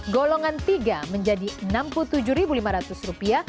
golongan tiga menjadi rp enam puluh tujuh lima ratus